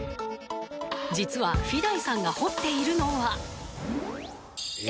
実はフィダイさんが彫っているのはえ！